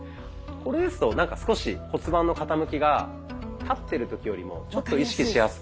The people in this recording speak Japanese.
これですとなんか少し骨盤の傾きが立ってる時よりもちょっと意識しやすく。